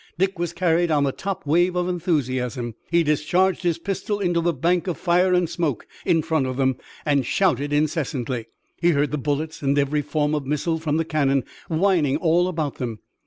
Dick was carried on the top wave of enthusiasm. He discharged his pistol into the bank of fire and smoke in front of them and shouted incessantly. He heard the bullets and every form of missile from the cannon whining all about them.